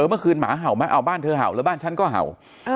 เมื่อคืนหมาเห่าไหมเอาบ้านเธอเห่าแล้วบ้านฉันก็เห่า